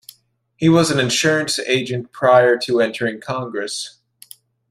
He was an insurance agent prior to entering Congress.